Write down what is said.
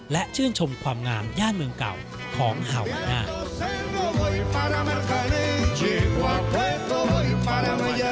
และชื่นชมความงามย่านเมืองเก่าของฮาวาน่า